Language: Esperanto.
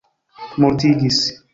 mortigis